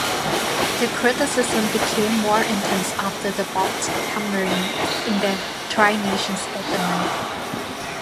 The criticism became more intense after the Boks' hammering in their Tri Nations opener.